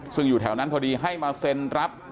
ซึ่งอยู่แถวนั้นพอดีให้มาเซ็นรับ